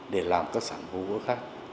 để làm các sản phẩm gỗ khác